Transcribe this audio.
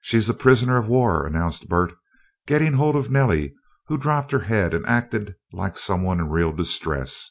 "She's a prisoner of war," announced Bert, getting hold of Nellie, who dropped her head and acted like someone in real distress.